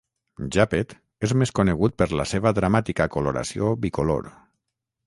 Jàpet és més conegut per la seva dramàtica coloració "bicolor".